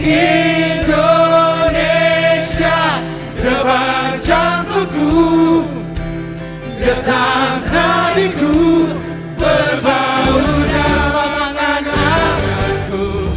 indonesia debar jantungku tetang nadiku berbau dalam bangat danganku